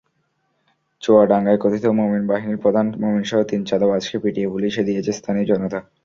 চুয়াডাঙ্গায় কথিত মোমিন বাহিনীর প্রধান মোমিনসহ তিন চাঁদাবাজকে পিটিয়ে পুলিশে দিয়েছে স্থানীয় জনতা।